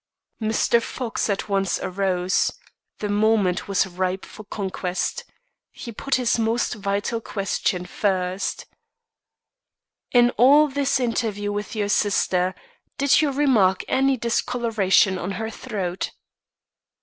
Mr. Fox at once arose; the moment was ripe for conquest. He put his most vital question first: "In all this interview with your sister, did you remark any discoloration on her throat?"